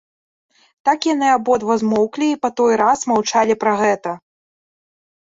Так яны абодва змоўклі і па той раз маўчалі пра гэта.